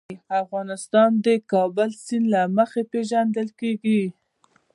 افغانستان د د کابل سیند له مخې پېژندل کېږي.